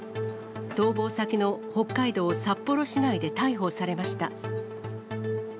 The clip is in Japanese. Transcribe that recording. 逃亡先の北海道札幌市内で逮捕されました。